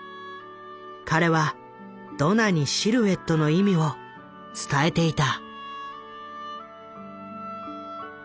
彼はドナにシルエットの意味を伝えていた。